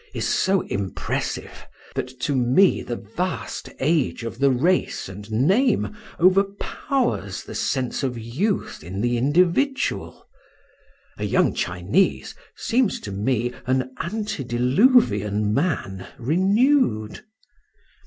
is so impressive, that to me the vast age of the race and name overpowers the sense of youth in the individual. A young Chinese seems to me an antediluvian man renewed.